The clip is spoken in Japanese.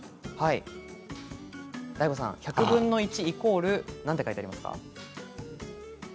ＤＡＩＧＯさん１００分の１＝なんて書いてありますか。